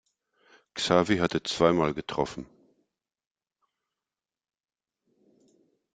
Xavi hatte zweimal getroffen.